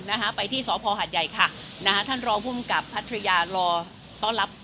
นะฮะไปที่สพหาดใหญ่ค่ะนะฮะท่านรองภูมิกับพัทยารอต้อนรับ